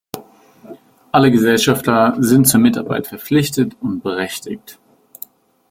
Alle Gesellschafter sind zur Mitarbeit verpflichtet und berechtigt.